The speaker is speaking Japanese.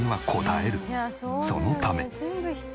そのため。